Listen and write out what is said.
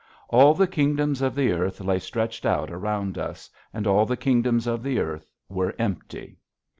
All the kingdoms of the earth lay stretched out around us, and all the kingdoms of the earth were empty.